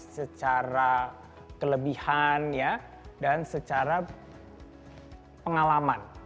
secara kelebihan dan secara pengalaman